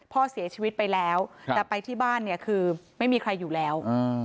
พ่อเสียชีวิตไปแล้วแต่ไปที่บ้านเนี่ยคือไม่มีใครอยู่แล้ว